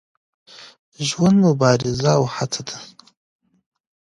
ژوند مبارزه او هڅه ده.